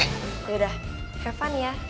yaudah have fun ya